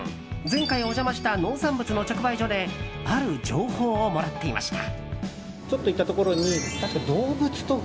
前回お邪魔した農産物の直売所である情報をもらっていました。